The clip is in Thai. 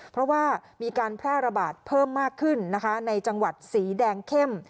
เพราะว่ามีการแพร่ระบาดเพิ่มมากขึ้นนะคะในจังหวัดสีแดงเข้ม